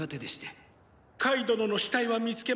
カイどのの死体は見つけました。